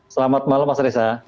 selamat malam mas risa